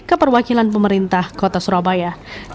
ke perwakilan pemerintah kota surabaya